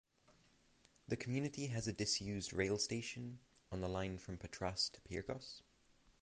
The community has a disused rail station on the line from Patras to Pyrgos.